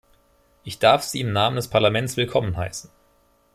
Ich darf Sie im Namen des Parlaments willkommen heißen.